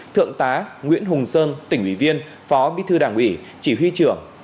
thượng tá nguyễn hùng sơn tỉnh ủy viên phó bí thư đảng ủy chỉ huy trưởng